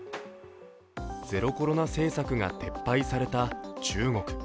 ゼロコロナ政策が撤廃された中国。